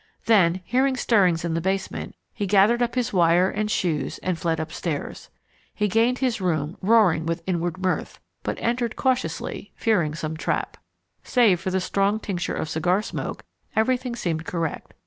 Then, hearing stirrings in the basement, he gathered up his wire and shoes and fled upstairs. He gained his room roaring with inward mirth, but entered cautiously, fearing some trap. Save for a strong tincture of cigar smoke, everything seemed correct.